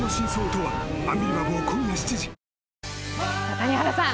谷原さん